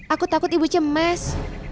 aku takut ibu cemas